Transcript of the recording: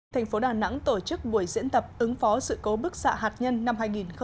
thành phố đà nẵng tổ chức buổi diễn tập ứng phó sự cố bức xạ hạt nhân năm hai nghìn một mươi chín